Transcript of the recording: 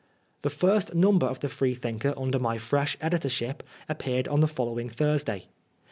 The first number of the Freethinker under my fresh editorship appeared on the following Thursday.